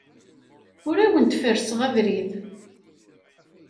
Ur awent-ferrseɣ abrid.